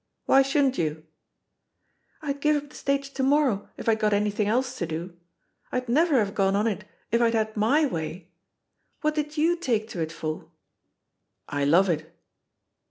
Why shouldn't you?" T'd give up the stage to morrow if I'd got anything else to do. I'd never have gone on it if I'd had my way. What did you take to it for?'* "I love it.'